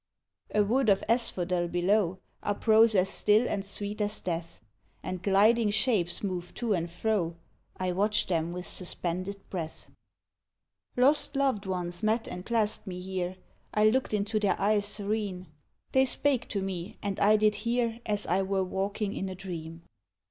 A wood of asphodel below Uprose as still and sweet as death, And gliding shapes moved to and fro, I watched them with suspended breath. Lost loved ones met and clasped me here; I looked into their eyes serene, They spake to me, and I did hear As I were walking in a dream.